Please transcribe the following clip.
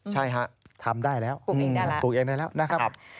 ใช่ฮะทำได้แล้วปลูกเองได้แล้วนะครับ